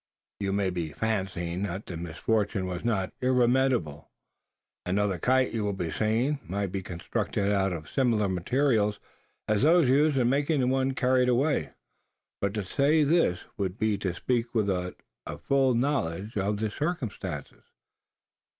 You may be fancying, that the misfortune was not irremediable. Another kite, you will be saying, might be constructed out of similar materials as those used in making the one carried away. But to say this, would be to speak without a full knowledge of the circumstances.